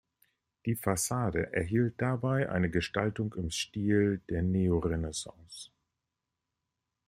Die Fassade erhielt dabei eine Gestaltung im Stil der Neorenaissance.